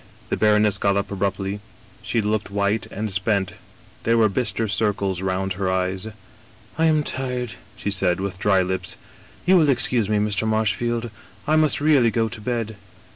'" The baroness got up abruptly. She looked white and spent; there were bister circles round her eyes. "* I am tired,' she said, with dry lips. * You will excuse me, Mr. Marshfield, I must really go to bed.